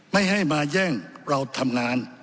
ไม่ให้มาแย่งเราทำงาน